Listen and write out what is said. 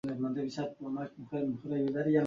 Nació en el seno de una familia de ascendencia alemana.